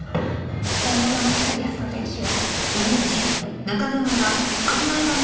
本物の『北リアスの天使』が。